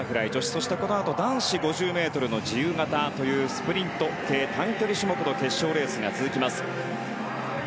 そして、このあと男子５０ｍ自由形というスプリント系短距離種目の決勝レースが続きます。